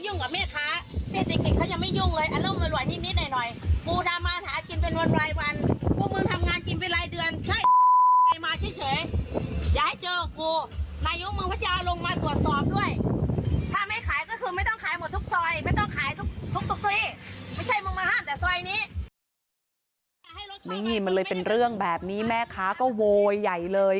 นี่มันเลยเป็นเรื่องแบบนี้แม่ค้าก็โวยใหญ่เลย